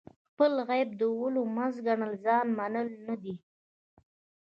خپل عیب د ولیو منځ ګڼل ځان منل نه دي.